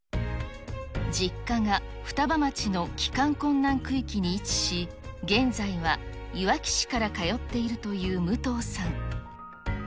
実家が双葉町の帰還困難区域に位置し、現在はいわき市から通っているという武藤さん。